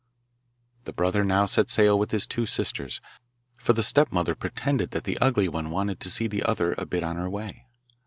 The brother now set sail with his two sisters, for the stepmother pretended that the ugly one wanted to see the other a bit on her way.